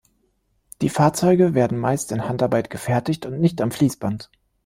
Die Fahrzeuge werden meist in Handarbeit gefertigt und nicht am Fließband.